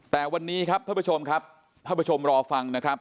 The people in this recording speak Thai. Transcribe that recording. แต่วันนี้ครับท่านผู้ชมครับท่านผู้ชมรอฟังนะครับ